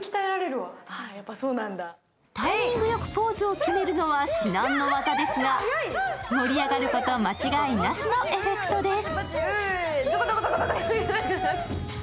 タイミングよくポーズを決めるのは至難の業ですが盛り上がること間違いなしのエフェクトです。